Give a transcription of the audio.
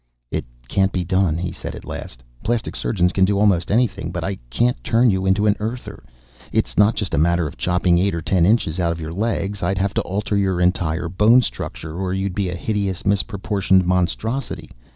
"It can't be done," he said at last. "Plastic surgeons can do almost anything, but I can't turn you into an Earther. It's not just a matter of chopping eight or ten inches out of your legs; I'd have to alter your entire bone structure or you'd be a hideous misproportioned monstrosity.